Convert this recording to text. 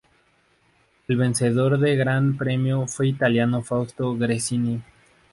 El vencedor de este Gran Premio fue el italiano Fausto Gresini.